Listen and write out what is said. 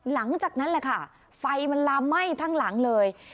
หลังจากนั้นแหละค่ะไฟมันลามไหม้ทั้งหลังเลย